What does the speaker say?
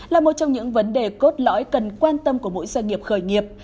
là một trong những vấn đề cốt lõi cần quan tâm của mỗi doanh nghiệp khởi nghiệp